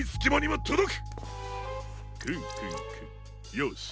よし。